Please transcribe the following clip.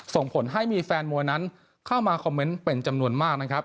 ส่งผลให้มีแฟนมวยนั้นเข้ามาคอมเมนต์เป็นจำนวนมากนะครับ